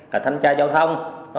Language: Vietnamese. là thanh tra giao thông